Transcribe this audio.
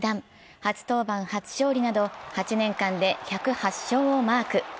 初登板初勝利など８年間で１０８勝をマーク。